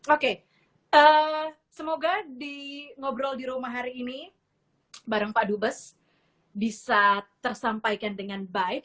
oke semoga di ngobrol di rumah hari ini bareng pak dubes bisa tersampaikan dengan baik